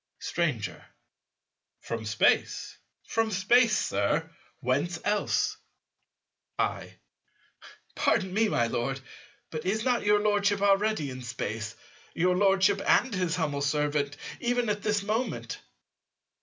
Stranger. From Space, from Space, Sir: whence else? I. Pardon me, my Lord, but is not your Lordship already in Space, your Lordship and his humble servant, even at this moment?